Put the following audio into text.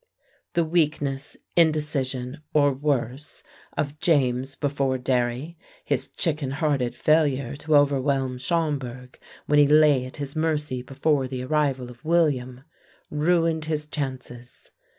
The weakness, indecision, or worse, of James before Derry, his chicken hearted failure to overwhelm Schomberg when he lay at his mercy before the arrival of William, ruined his chances.